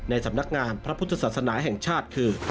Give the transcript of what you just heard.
สำนักงานพระพุทธศาสนาแห่งชาติคือ